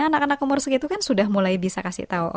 anak anak umur segitu kan sudah mulai bisa kasih tahu